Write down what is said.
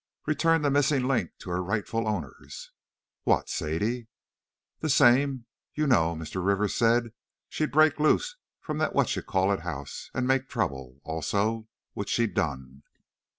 "Returned the missing 'Link' to her rightful owners!" "What! Sadie?" "The same. You know, Mr. Rivers said she'd break loose from that Whatchacallit House, and make trouble also, which she done!"